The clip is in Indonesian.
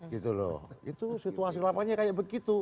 gitu loh itu situasi lamanya kayak begitu